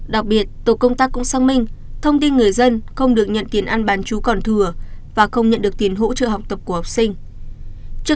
đặc biệt tổ công tác cũng xác minh thông tin người dân không được nhận tiền ăn bán chú còn thừa và không nhận được tiền hỗ trợ học tập của học sinh